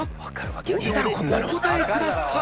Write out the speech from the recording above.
［５秒でお答えください］